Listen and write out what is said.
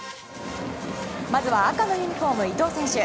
まずは赤のユニホーム、伊東選手。